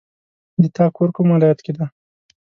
د تا کور کوم ولایت کې ده